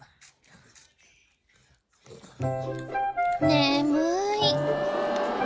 眠い。